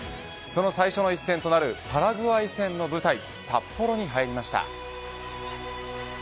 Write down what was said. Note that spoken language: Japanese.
その最初の一戦となるパラグアイ戦の舞台札幌に入りました。